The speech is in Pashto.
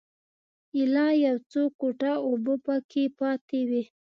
ایله یو څو ګوټه اوبه په کې پاتې وې.